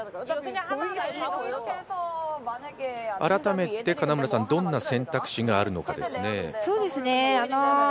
改めて金村さん、どんな選択肢があるのかですね。